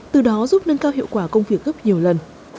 từ đó giúp nâng cao hiệu quả công việc gấp nhiều lần